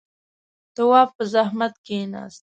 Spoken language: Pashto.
تواب په زحمت کېناست.